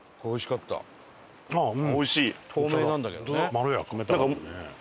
まろやか。